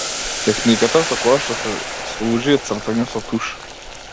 Техниката со која што се служи е цртање со туш.